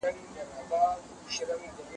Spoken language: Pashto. د جراحۍ وسایل هم واردیږي.